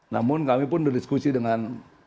namun kami pun berdiskusi dengan